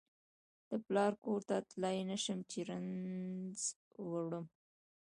د پلار کور ته تللای نشم چې رنځ وروړم